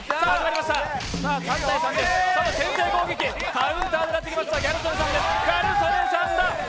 カウンターを狙ってきました、ギャル曽根さんです。